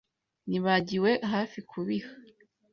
Nibagiwe hafi kubiha .